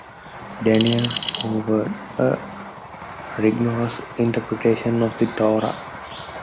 Daniel favored a rigorous interpretation of the Torah.